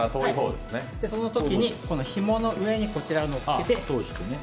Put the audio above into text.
その時にひもの上にこちらを乗っけて。